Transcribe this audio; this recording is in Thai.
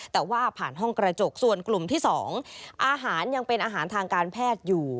แต่ว่าผ่านห้องกระจกส่วนกลุ่มที่๒อาหารยังเป็นอาหารทางการแพทย์อยู่